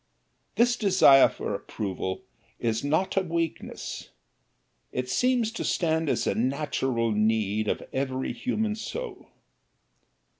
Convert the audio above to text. This desire for approval is not a weakness it seems to stand as a natural need of every human soul.